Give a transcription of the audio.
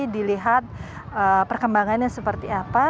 dilihat perkembangannya seperti apa